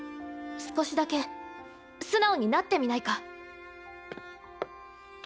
少しだけ素直になってみないか？